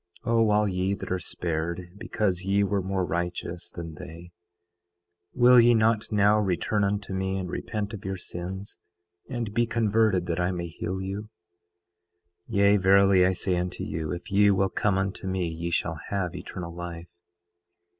9:13 O all ye that are spared because ye were more righteous than they, will ye not now return unto me, and repent of your sins, and be converted, that I may heal you? 9:14 Yea, verily I say unto you, if ye will come unto me ye shall have eternal life.